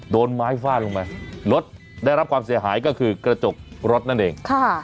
โดนไม้ฟาดลงไปรถได้รับความเสียหายก็คือกระจกรถนั่นเอง